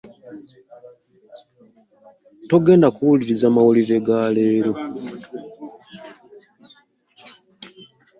Togenda kuwuliriza mawulire ga leero?